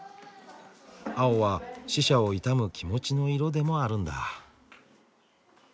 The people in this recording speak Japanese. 青は死者を悼む気持ちの色でもあるんだ。